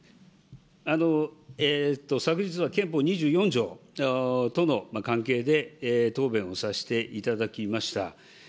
昨日は憲法２４条との関係で、答弁をさせていただきました。